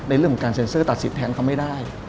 เรื่องของการเซ็นเซอร์ตัดสินแทนเขาไม่ได้